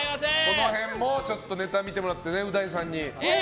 この辺もネタを見てもらってう大さんに。